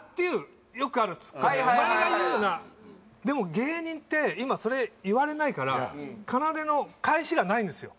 「お前が言うな」でも芸人って今それ言われないからかなでの返しがないんですよ